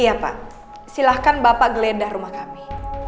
iya pak silahkan bapak geledah rumah kami